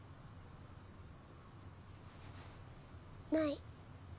ない。